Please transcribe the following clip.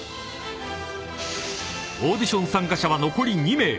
［オーディション参加者は残り２名］